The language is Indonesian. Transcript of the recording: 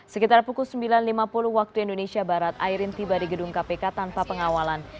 sekitar pukul sembilan lima puluh waktu indonesia barat airin tiba di gedung kpk tanpa pengawalan